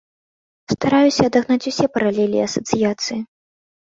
Стараюся адагнаць усе паралелі і асацыяцыі.